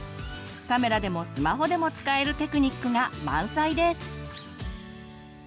カメラでもスマホでも使えるテクニックが満載です！